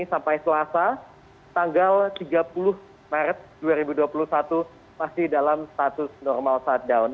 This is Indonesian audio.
sampai selasa tanggal tiga puluh maret dua ribu dua puluh satu masih dalam status normal shutdown